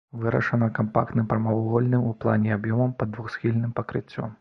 Вырашана кампактным прамавугольным у плане аб'ёмам пад двухсхільным пакрыццём.